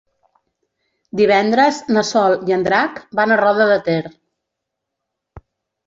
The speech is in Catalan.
Divendres na Sol i en Drac van a Roda de Ter.